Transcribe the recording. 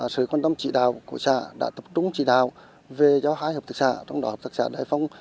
sự quan tâm chỉ đạo của xã đã tập trung chỉ đạo về cho hai hợp tác xã trong đó hợp tác xã đại phong